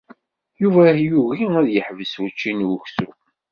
Yuba yugi ad yeḥbes učči n uksum.